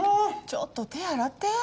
ちょっと手洗って。